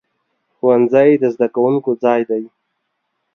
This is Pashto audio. ښوونځی د زده کوونکو ځای دی.